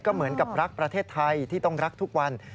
เหมือนกับรักประเทศไทยที่ต้องรักทุกวัน